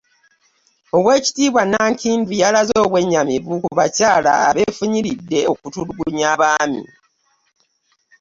Oweekitiibwa Nankindu yalaze obwennyamivu ku bakyala abeefunyiridde okutulugunya abaami